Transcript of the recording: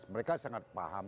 mereka sangat paham